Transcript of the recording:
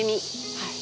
はい。